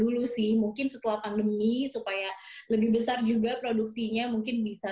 dulu sih mungkin setelah pandemi supaya lebih besar juga produksinya mungkin bisa